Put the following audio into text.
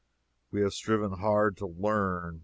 We have striven hard to learn.